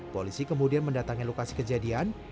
polisi kemudian mendatangi lokasi kejadian